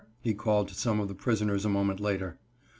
he called to some of the prisoners a moment later.